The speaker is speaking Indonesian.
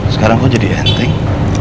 sekarang kok jadi enteng